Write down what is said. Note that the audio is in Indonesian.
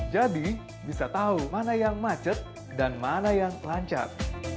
jadi bisa tahu mana yang macet dan mana yang lancar